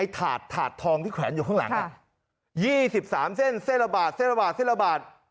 ถาดถาดทองที่แขวนอยู่ข้างหลัง๒๓เส้นเส้นละบาทเส้นละบาทเส้นละบาท